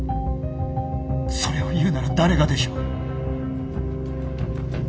それを言うなら誰がでしょ。